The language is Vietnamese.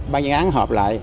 ban chuyên án hợp lại